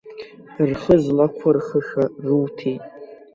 Рхы злақәырхыша руҭеит.